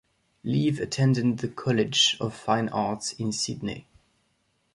Leav attended the College of Fine Arts in Sydney.